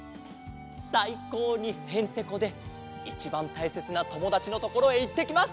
さいこうにヘンテコでいちばんたいせつなともだちのところへいってきます。